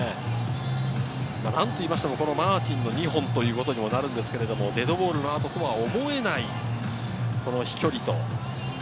何といってもマーティンの２本ということになるんですが、デッドボールなどとは思えない飛距離。